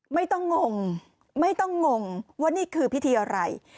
ไม่ต้องงงไม่ต้องงงว่านี่คือพิธีอะไร